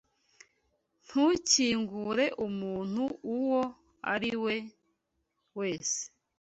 Ntukingure umuntu uwo ari we wese.